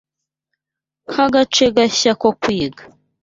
Nka gace gashya ko kwiga